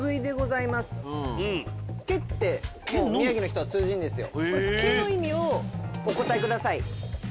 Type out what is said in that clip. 「け」って宮城の人は通じるんですよ。